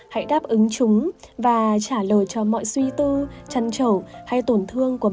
hãy đáp ứng chúng và trả lời cho mọi suy tư chăn chẩu hay tổn thương